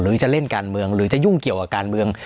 หรือจะเล่นการเมืองหรือจะยุ่งเกี่ยวกับการเมือง